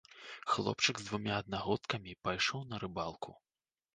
Хлопчык з двума аднагодкамі пайшоў на рыбалку.